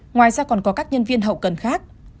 ngoài ra còn có các nhân viên hậu cần khác